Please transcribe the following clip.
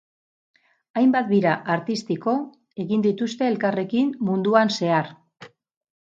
Hainbat bira artistiko egin dituzte elkarrekin munduan zehar.